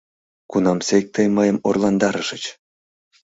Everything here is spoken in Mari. — Кунамсек тый мыйым орландарышыч?